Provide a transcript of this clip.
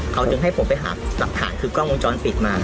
เขาจึงให้ผมไปหาหลักฐานคือกล้องวงจรปิดมา